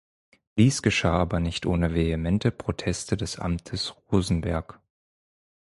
Dies geschah aber nicht ohne vehemente Proteste des Amtes Rosenberg.